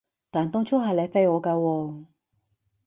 但當初係你飛我㗎喎